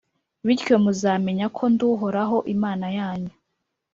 Bityo muzamenya ko ndi Uhoraho, Imana yanyu,